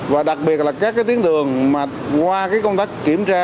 và đặc biệt là các tiến đường qua công tác kiểm tra